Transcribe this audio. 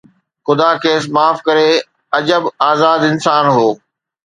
خدا کيس معاف ڪري، عجب آزاد انسان هو